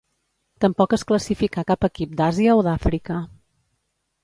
Tampoc es classificà cap equip d'Àsia o d'Àfrica.